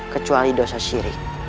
kecuali dosa syirik